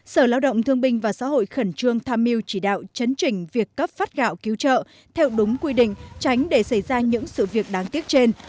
sở lao động thương binh và xã hội khẩn trương tham mưu chỉ đạo chấn trình việc cấp phát gạo cứu trợ theo đúng quy định tránh để xảy ra những sự việc đáng tiếc trên